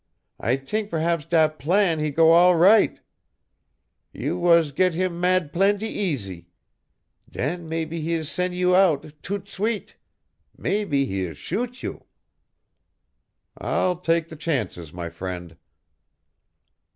I t'ink p'raps dat plan he go all right. You was get heem mad plaintee easy. Den maybee he is sen' you out toute suite maybee he is shoot you." "I'll take the chances my friend."